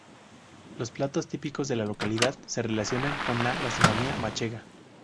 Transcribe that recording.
Los platos típicos de la localidad se relacionan con la gastronomía manchega.